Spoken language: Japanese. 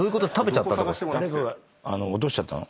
誰かが落としちゃったの？